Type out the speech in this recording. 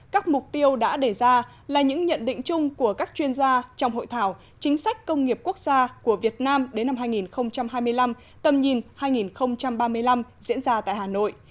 các mục tiêu đã đề ra là những nhận định chung của các chuyên gia trong hội thảo chính sách công nghiệp quốc gia của việt nam đến năm hai nghìn hai mươi năm tầm nhìn hai nghìn ba mươi năm diễn ra tại hà nội